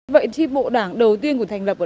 vậy thì bộ đảng đầu tiên của thành lập của đảng